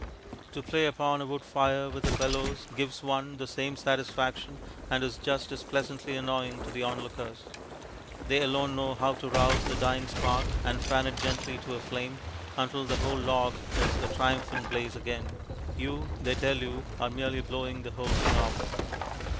To play upon a wood fire with a bellows gives one the same satisfaction, and is just as pleasantly annoying to the onlookers. They alone know how to rouse the dying spark and fan it gently to a flame, until the whole log is a triumphant blaze again; you, they tell you, are merely blowing the whole thing out.